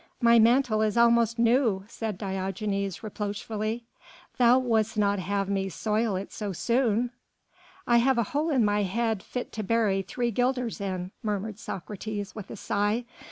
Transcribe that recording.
"My mantle is almost new," said Diogenes reproachfully; "thou would'st not have me soil it so soon?" "I have a hole in my head fit to bury those three guilders in," murmured Socrates, with a sigh.